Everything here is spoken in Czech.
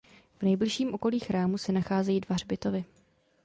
V nejbližším okolí chrámu se nalézají dva hřbitovy.